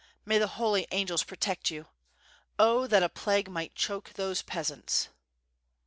May the Holy Angels protect you! 0, that a plague might choke those peasants!"